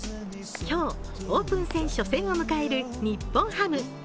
今日、オープン戦初戦を迎える日本ハム。